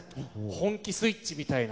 本気スイッチみたいな。